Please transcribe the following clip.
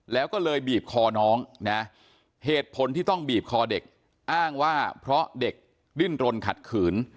แล้วก็เลยบีบคอน้องนะเหตุผลที่ต้องบีบคอเด็กอ้างว่าเพราะเด็กดิ้นรนขัดขืน